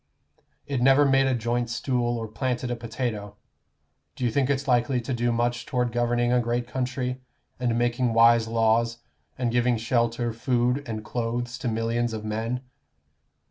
It never made a joint stool or planted a potato. Do you think it's likely to do much toward governing a great country, and making wise laws, and giving shelter, food, and clothes to millions of men?